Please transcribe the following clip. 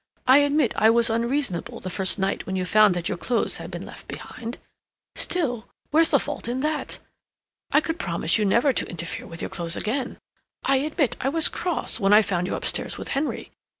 I admit I was unreasonable the first night when you found that your clothes had been left behind. Still, where's the fault in that? I could promise you never to interfere with your clothes again. I admit I was cross when I found you upstairs with Henry.